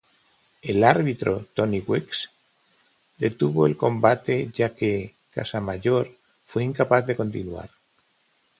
El árbitro Tony Weeks detuvo el combate ya que Casamayor fue incapaz de continuar.